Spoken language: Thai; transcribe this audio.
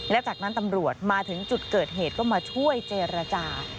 และจากนั้นตำรวจมาถึงจุดเกิดเหตุก็มาช่วยเจรจา